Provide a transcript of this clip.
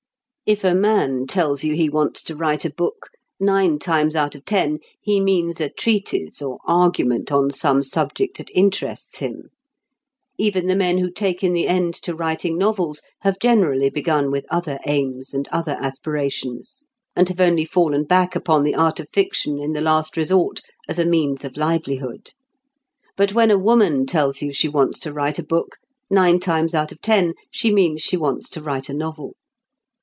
If a man tells you he wants to write a book, nine times out of ten he means a treatise or argument on some subject that interests him. Even the men who take in the end to writing novels have generally begun with other aims and other aspirations, and have only fallen back upon the art of fiction in the last resort as a means of livelihood. But when a woman tells you she wants to write a book, nine times out of ten she means she wants to write a novel.